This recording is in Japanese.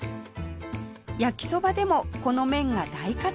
焼きそばでもこの麺が大活躍